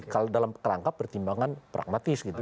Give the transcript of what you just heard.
kalau dalam kerangka pertimbangan pragmatis gitu